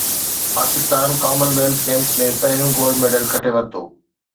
Pakistan Commonwealth Games ۾ پهريون gold medal کٽي ورتو